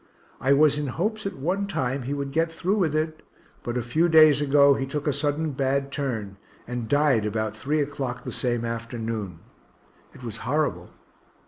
I was in hopes at one time he would get through with it, but a few days ago he took a sudden bad turn and died about 3 o'clock the same afternoon it was horrible.